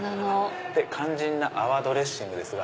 肝心な泡ドレッシングですが。